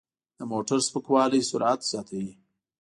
د موټر سپکوالی سرعت زیاتوي.